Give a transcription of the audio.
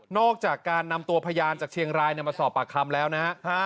อกจากการนำตัวพยานจากเชียงรายมาสอบปากคำแล้วนะฮะ